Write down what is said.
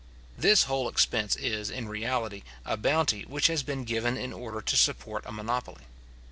This whole expense is, in reality, a bounty which has been given in order to support a monopoly.